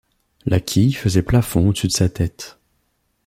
La quille faisait plafond au-dessus de sa tête.